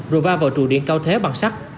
rồi va vào trụ điện cao thế bằng sắt